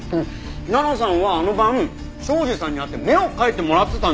奈々さんはあの晩庄司さんに会って目を描いてもらってたんだよ！